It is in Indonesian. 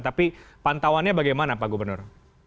tapi pantauannya bagaimana pak gubernur